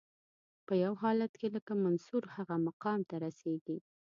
په یو حالت کې لکه منصور هغه مقام ته رسیږي.